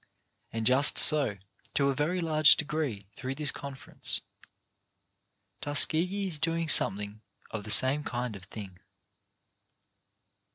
And just so, to a very large degree, through this Conference, Tuskegee is do ing something of the same kind of thing.